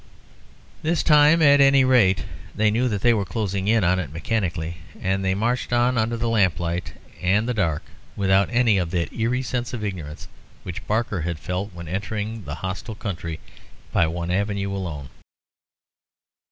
This time, at any rate, they knew that they were closing in on it mechanically, and they marched on under the lamplight and the dark without any of that eerie sense of ignorance which Barker had felt when entering the hostile country by one avenue alone.